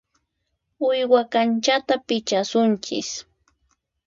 Uywa kanchata pichasunchis.